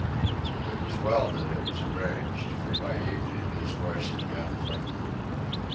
It was well that it was arranged, for by evening his voice had gone from him.